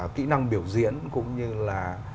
kỹ năng biểu diễn cũng như là